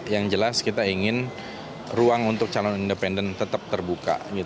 yang jelas kita ingin ruang untuk calon independen tetap terbuka